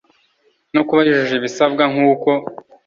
no kuba yujuje ibisabwa nk uko